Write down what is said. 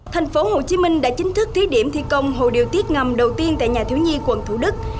thành phố hồ chí minh đã chính thức thí điểm thi công hồ điều tiết ngầm đầu tiên tại nhà thiếu nhi quận thủ đức